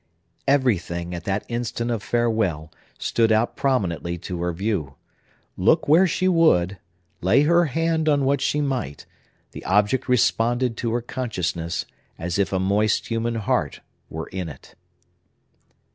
Everything, at that instant of farewell, stood out prominently to her view. Look where she would, lay her hand on what she might, the object responded to her consciousness, as if a moist human heart were in it.